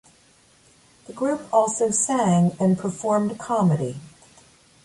The group also sang and performed comedy.